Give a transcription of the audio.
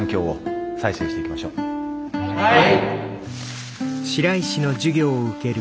はい。